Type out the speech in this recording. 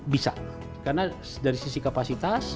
bisa karena dari sisi kapasitas